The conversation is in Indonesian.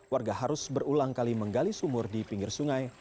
warga harus berulang kali menggali sumur di pinggir sungai